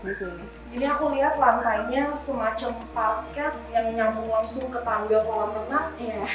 jadi aku lihat lantainya semacam paket yang nyambung langsung ke tangga kolam renang